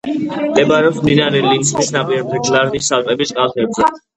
მდებარეობს მდინარე ლინთის ნაპირებზე, გლარნის ალპების კალთებზე.